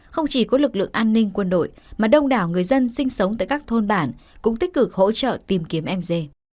không chỉ có lực lượng an ninh quân đội mà đông đảo người dân sinh sống tại các thôn bản cũng tích cực hỗ trợ tìm kiếm m dê